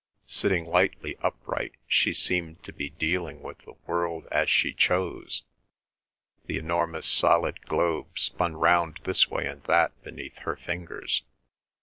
Sitting lightly upright she seemed to be dealing with the world as she chose; the enormous solid globe spun round this way and that beneath her fingers.